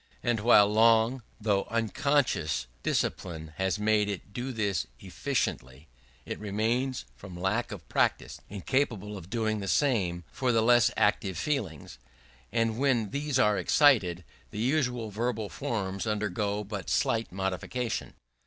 But while long, though unconscious, discipline has made it do this efficiently, it remains from lack of practice, incapable of doing the same for the less active feelings; and when these are excited, the usual verbal forms undergo but slight modifications.